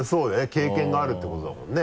経験があるってことだもんね。